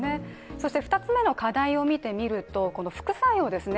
そして２つ目の課題を見てみるとこの、副作用ですね。